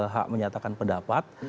hak menyatakan pendapat